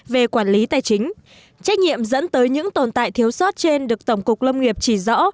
về quản lý tài chính trách nhiệm dẫn tới những tồn tại thiếu sót trên được tổng cục lâm nghiệp chỉ rõ